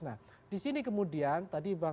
nah disini kemudian tadi pak sekjen